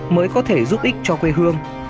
mới có thể giúp ích cho quê hương